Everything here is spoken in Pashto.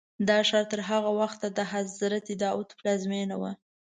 دا ښار تر هغه وخته د حضرت داود پلازمینه وه.